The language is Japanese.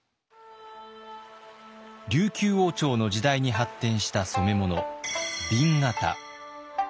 琉球王朝の時代に発展した染物紅型。